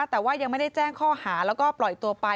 แต่ว่ายังไม่ได้แจ้งข้อหาแล้วก็ปล่อยตัวไป